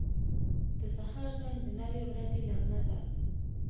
• د سهار زنګ د نوې ورځې نغمه ده.